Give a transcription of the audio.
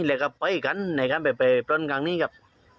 และกับไปกันในการไปพลนกันนี้ครับ